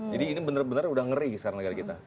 jadi ini benar benar sudah ngeri sekarang negara kita